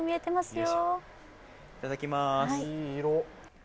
いただきまーす。